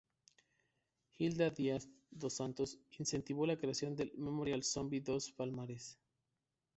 Hilda Dias dos Santos incentivó la creación del Memorial Zumbi dos Palmares.